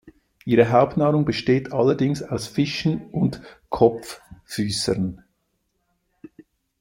Ihre Hauptnahrung besteht allerdings aus Fischen und Kopffüßern.